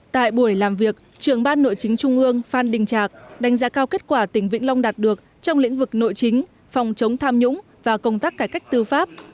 tại buổi làm việc trưởng ban nội chính trung ương phan đình trạc đánh giá cao kết quả tỉnh vĩnh long đạt được trong lĩnh vực nội chính phòng chống tham nhũng và công tác cải cách tư pháp